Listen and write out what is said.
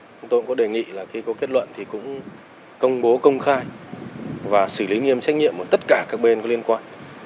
chúng tôi cũng có đề nghị là khi có kết luận thì cũng công bố công khai và xử lý nghiêm trách nhiệm của tất cả các bên có liên quan